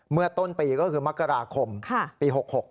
เมื่อต้นปีก็คือมกราคมปี๖๖